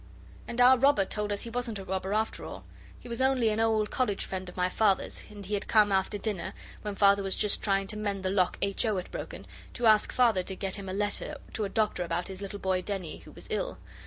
And our robber told us he wasn't a robber after all. He was only an old college friend of my Father's, and he had come after dinner, when Father was just trying to mend the lock H. O. had broken, to ask Father to get him a letter to a doctor about his little boy Denny, who was ill.